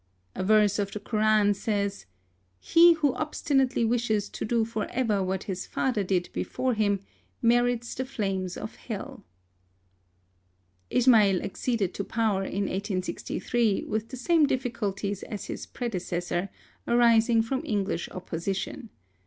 A verse of the Koran says — "He who obstinately wishes to do for ever what his father did before him, merits the flames of hell.'' Ismail acceded to power in 1863 with the same diflBculties as his predecessor, arising from English opposition.